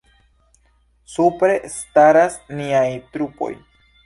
Supre staras niaj trupoj.